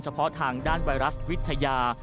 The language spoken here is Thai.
เพาะทางด้านไวรัสวิทยา